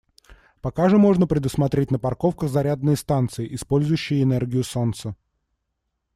Пока же можно предусмотреть на парковках зарядные станции, использующие энергию солнца.